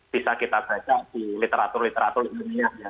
bisa kita baca di literatur literatur ilmiah ya